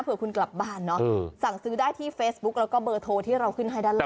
เพื่อคุณกลับบ้านเนอะสั่งซื้อได้ที่เฟซบุ๊กแล้วก็เบอร์โทรที่เราขึ้นให้ด้านล่า